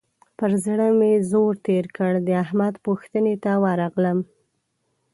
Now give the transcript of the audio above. پر زړه مې زور تېر کړ؛ د احمد پوښتنې ته ورغلم.